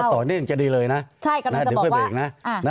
ถ้าต่อเนี่ยยังจะดีเลยนะ